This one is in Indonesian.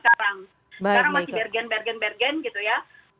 sekarang masih bergen bergen bergen gitu ya